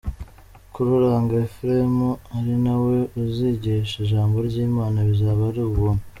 Karuranga Ephrem, ari nawe uzigisha ijambo ry’Imana bizaba ari ubuntu.